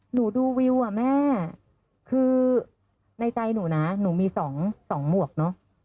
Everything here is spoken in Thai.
หนูดูวิวอ่ะแม่คือในใจหนูนะหนูมี๒หมวกเนอะ